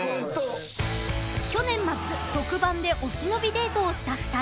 ［去年末特番でお忍びデートをした２人］